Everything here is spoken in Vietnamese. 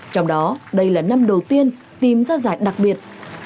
trong đó đây là năm đầu tiên tìm ra giải đặc biệt